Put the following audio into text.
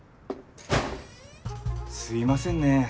すいませんね